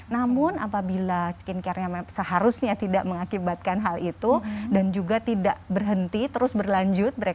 namun apabila skincare seharusnya tidak mengakibatkan hal itu dan juga tidak berhenti terus berlanjut